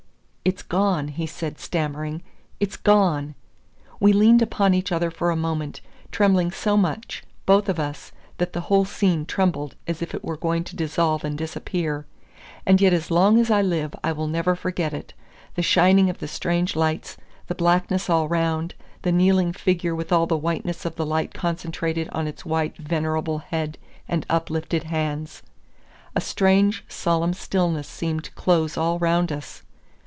"It's gone," he said, stammering, "it's gone!" We leaned upon each other for a moment, trembling so much, both of us, that the whole scene trembled as if it were going to dissolve and disappear; and yet as long as I live I will never forget it, the shining of the strange lights, the blackness all round, the kneeling figure with all the whiteness of the light concentrated on its white venerable head and uplifted hands. A strange solemn stillness seemed to close all round us.